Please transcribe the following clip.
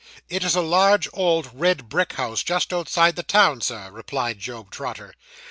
'It is a large, old, red brick house, just outside the town, Sir,' replied Job Trotter.